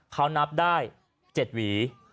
เขานับได้๗หวี